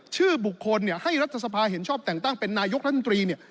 ชื่อบุคคลเนี่ยให้รัฐสภาเห็นชอบแต่งตั้งเป็นนายกรัฐมนตรีเนี่ย